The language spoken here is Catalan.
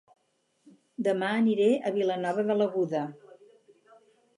Dema aniré a Vilanova de l'Aguda